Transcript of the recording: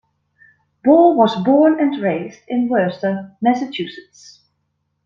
Ball was born and raised in Worcester, Massachusetts.